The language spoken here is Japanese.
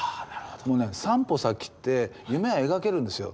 もうね３歩先って夢が描けるんですよ。